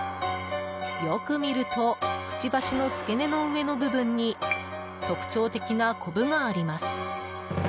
よく見るとくちばしの付け根の上の部分に特徴的なコブがあります。